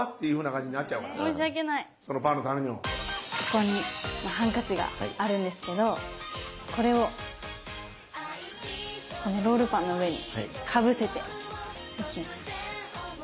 ここにハンカチがあるんですけどこれをこのロールパンの上にかぶせていきます。